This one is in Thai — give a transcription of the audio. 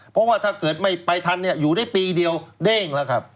เพราะว่าถ้าเกิดไม่ไปทันอยู่ได้ปีเดียวเด้งแล้วครับ